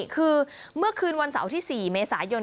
คือเมื่อคืนวันเสาร์ที่๔เมษายน